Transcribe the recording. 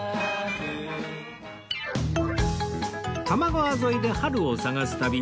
多摩川沿いで春を探す旅